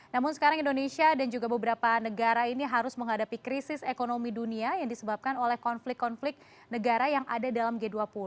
namun sekarang indonesia dan juga beberapa negara ini harus menghadapi krisis ekonomi dunia yang disebabkan oleh konflik konflik negara yang ada dalam g dua puluh